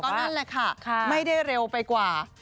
นั่นแหละค่ะไม่ได้เร็วไปกว่า